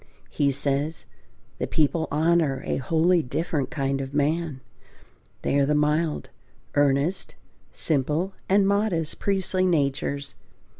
He says, "the people honour a wholly different kind of man, ... They are the mild, earnest, simple, and modest priestly natures